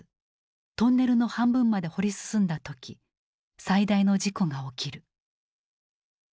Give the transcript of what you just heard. トンネルの半分まで掘り進んだ時最大の事故が起きる。